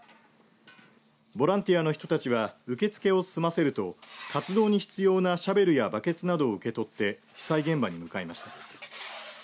ボランティアの人たちは受け付けを済ませると活動に必要なシャベルやバケツなどを受け取って被災現場に向かいました。